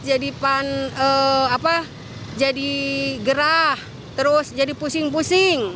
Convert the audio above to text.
jadi sesak nafas jadi gerah terus jadi pusing pusing